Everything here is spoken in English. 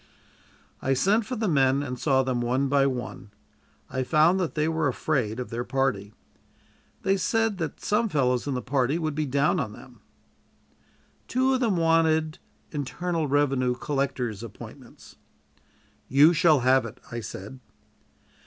I sent for the men and saw them one by one. I found that they were afraid of their party. They said that some fellows in the party would be down on them. Two of them wanted internal revenue collector's appointments. "You shall have it," I said.